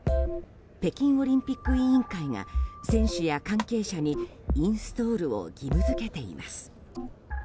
北京オリンピック委員会が選手や関係者にインストールを義務付けています。